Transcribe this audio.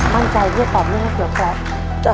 มั่นใจเพื่อตอบเรื่องมะเขือแคล็ก